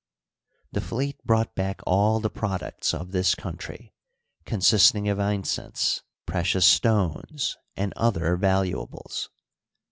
The fleet brought back all the products of this country, consisting of incense, precious stones, and other valuables.